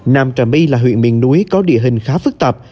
nam trà my là huyện miền núi có địa hình khá phức tạp